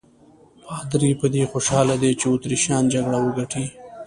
پادري په دې خوشاله دی چې اتریشیان جګړه وګټي.